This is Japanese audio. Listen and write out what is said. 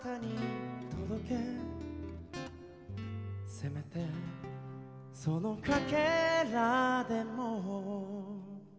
「せめてそのかけらでも」